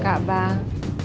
apa aja suka bang